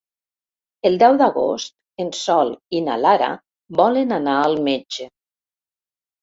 El deu d'agost en Sol i na Lara volen anar al metge.